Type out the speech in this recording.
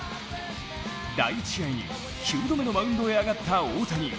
第１試合に９度目のマウンドへ上がった大谷。